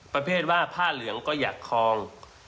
ประเภทว่าผ้าเหลืองก็อยากคอง